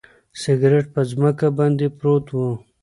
سګرټ په ځمکه باندې پروت و.